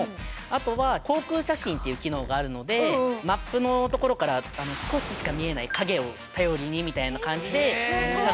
あとは航空写真っていう機能があるのでマップのところから少ししか見えない影を頼りにみたいな感じで探すことをしている感じです。